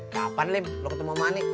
kapan lim lo ketemu ama ani